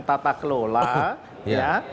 tata kelola ya